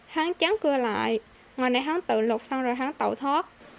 hắn chán cưa lại ngoài này hắn tự lục xong rồi hắn tẩu thoát